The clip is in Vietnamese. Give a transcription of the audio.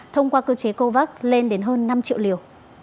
thông qua cơ chế covax lên đến hơn năm triệu liều